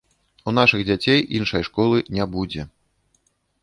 У нашых дзяцей іншай школы не будзе.